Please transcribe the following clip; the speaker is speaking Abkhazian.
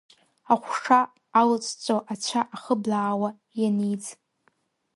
Ахәша алҵәҵәо, ацәа ахыблаауа ианиӡ…